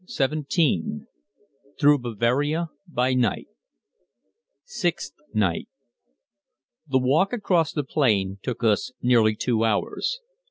] CHAPTER XVII THROUGH BAVARIA BY NIGHT Sixth night. The walk across the plain took us nearly two hours.